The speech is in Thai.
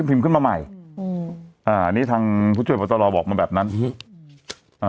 พิมพ์ขึ้นมาใหม่อืมอ่านี่ทางผู้ช่วยประตรอบอกมาแบบนั้นอืมอ่า